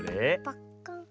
パッカーン。